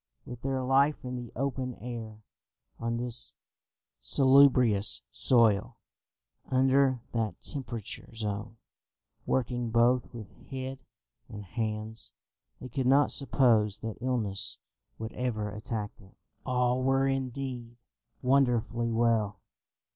With their life in the open air, on this salubrious soil, under that temperate zone, working both with head and hands, they could not suppose that illness would ever attack them. All were indeed wonderfully well.